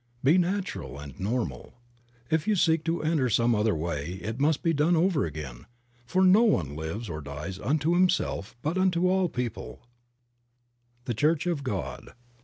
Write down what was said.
Be natural and normal. If you seek to enter some other way it must all be done over again, for no one lives or dies unto himself but unto all people. Creative Mind. 57 THE CHURCH OF GOD.